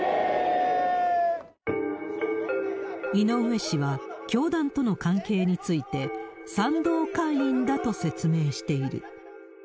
井上氏は、教団との関係について、賛同会員だと説明している。